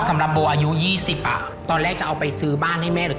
สำหรับโบอายุ๒๐อ่ะตอนแรกจะเอาไปซื้อบ้านให้แม่หรือ